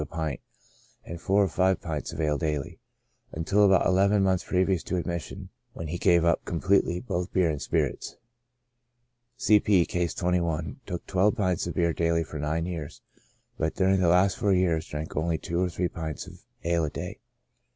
45 a pint, and four or five pints of ale daily, until about eleven months previous to admission, v^hen he gave up completely both beer and spirits. C. P — (Case 21) took twelve pints of beer daily for nine years, but during the last four years drank only two or three pints of ale a day.